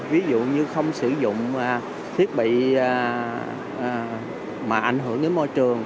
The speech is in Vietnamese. ví dụ như không sử dụng thiết bị mà ảnh hưởng đến môi trường